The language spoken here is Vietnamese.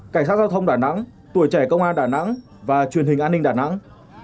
cảnh sát giao thông đà nẵng tuổi trẻ công an đà nẵng và truyền hình an ninh đà nẵng